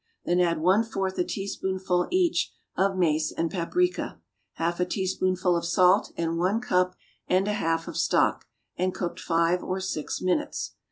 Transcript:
Then add one fourth a teaspoonful, each, of mace and paprica, half a teaspoonful of salt and one cup and a half of stock, and cook five or six minutes.